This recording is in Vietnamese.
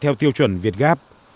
theo tiêu chuẩn việt gáp